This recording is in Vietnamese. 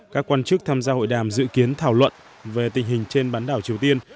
các quan chức tham gia hội đàm dự kiến thảo luận về tình hình trên bán đảo triều tiên